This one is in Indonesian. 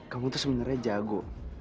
kamu tuh sebenarnya jago